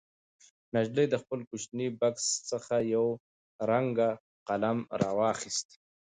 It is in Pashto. نجلۍ د خپل کوچني بکس څخه یو رنګه قلم راوویست.